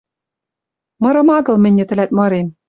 Мырым агыл мӹньӹ тӹлӓт мырем